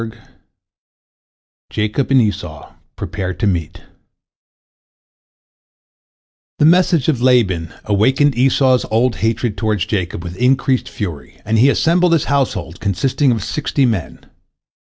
JACOB AND ESAU PREPARE TO MEET The message of Laban awakened Esau's old hatred toward Jacob with increased fury, and he assembled his household, consisting of sixty men.